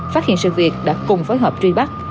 phát hiện sự việc đã cùng phối hợp truy bắt